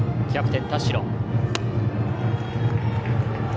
キャプテン田代。